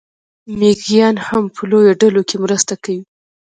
مېږیان هم په لویو ډلو کې مرسته کوي.